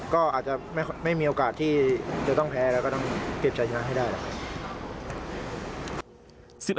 ก็ไม่มีโอกาสที่จะต้องแพ้และต้องเก็บใจขนาดนี้ให้ได้